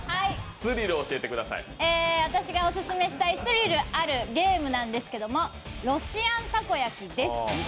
私がオススメしたいスリルあるゲームなんですけどロシアンたこ焼きです。